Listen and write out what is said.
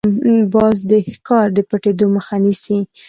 باز د ښکار د پټېدو مخه نیسي